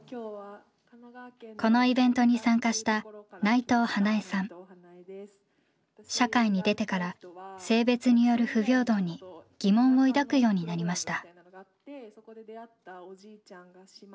このイベントに参加した社会に出てから性別による不平等に疑問を抱くようになりました。